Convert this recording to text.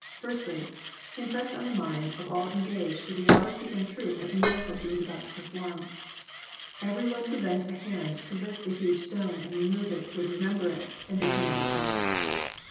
Firstly, He impressed on the mind of all engaged the reality and truth of the miracle He was about to perform. Every one who lent a hand to lift the huge stone and remove it would remember it, and become a witness.